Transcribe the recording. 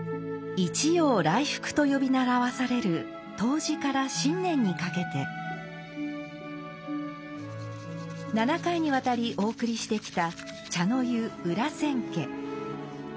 「一陽来復」と呼び習わされる冬至から新年にかけて七回にわたりお送りしてきた「茶の湯裏千家」。